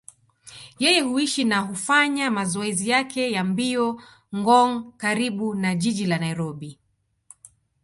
Yeye huishi na hufanya mazoezi yake ya mbio Ngong, karibu na jiji la Nairobi.